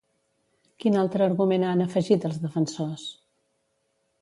Quin altre argument han afegit els defensors?